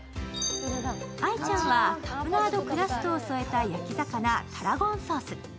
愛ちゃんはタプナードクラストを添えた焼き魚、タラゴンソース。